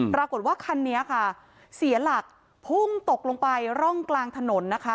ปรากฏว่าคันนี้ค่ะเสียหลักพุ่งตกลงไปร่องกลางถนนนะคะ